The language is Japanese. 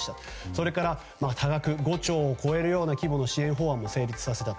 それから５兆を超えるような規模の支援法案も成立させた。